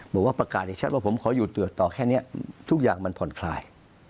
บอกว่าประกาศให้ชัดว่าผมขออยู่ตรวจต่อแค่นี้ทุกอย่างมันผ่อนคลาย